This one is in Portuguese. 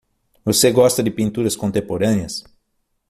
Você gosta de pinturas contemporâneas?